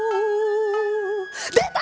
「出た！